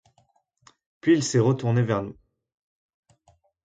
Puis il s’est retourné vers nous.